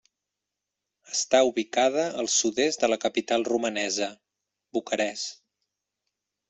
Està ubicada al sud-est de la capital romanesa, Bucarest.